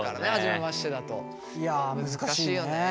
いや難しいよね。